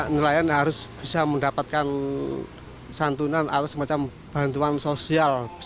nelayan harus bisa mendapatkan santunan atau semacam bantuan sosial